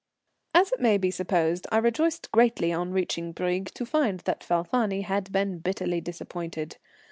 _] As may be supposed I rejoiced greatly on reaching Brieg to find that Falfani had been bitterly disappointed.